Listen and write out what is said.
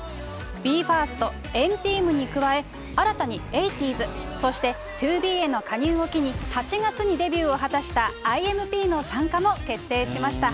ＢＥ：ＦＩＲＳＴ、エンチームに加え、新たにエイティーズ、そしてＴＯＢＥ加入を機に、８月にデビューを果たしたＩＭＰの参加も決定しました。